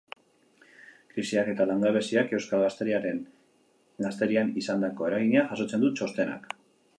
Krisiak eta langabeziak euskal gazterian izandako eragina jasotzen du txostenak.